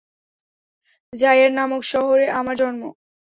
জাইয়ান নামক শহরে আমার জন্ম।